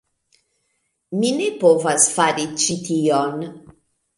Mi ne povas fari ĉi tion!